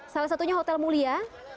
salah satunya hotel mulia